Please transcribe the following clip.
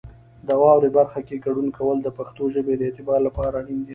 د واورئ برخه کې ګډون کول د پښتو ژبې د اعتبار لپاره اړین دي.